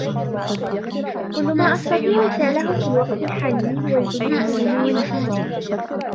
كل ما أستطيع فعله في الوقت الحالي هو الجلوس هنا والإستماع.